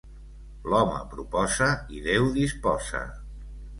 L'home proposa i Déu disposa